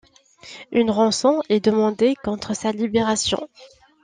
Une rançon est demandée contre sa libération.